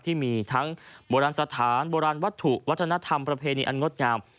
ที่มีทั้งโบราณสถานโบราณวัตถุวัฒนธรรมประเพณีอันงดงาม